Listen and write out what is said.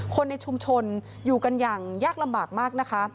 คนในชุมชนอยู่กันอย่างยากลำบากมากนะคะ